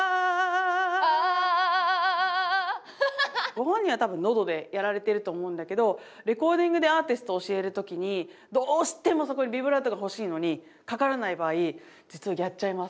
ご本人は多分喉でやられてると思うんだけどレコーディングでアーティスト教える時にどうしてもそこにビブラートが欲しいのにかからない場合実はやっちゃいます。